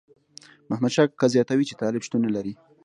محمد شاه کاکا زیاتوي چې طالب شتون نه لري.